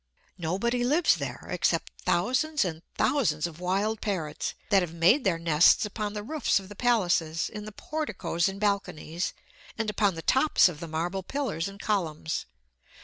Nobody lives there, except thousands and thousands of wild parrots, that have made their nests upon the roofs of the palaces, in the porticoes and balconies, and upon the tops of the marble pillars and columns.